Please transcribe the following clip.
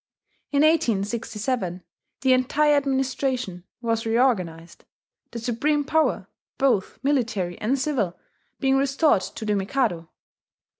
In 1867 the entire administration was reorganized; the supreme power, both military and civil, being restored to the Mikado.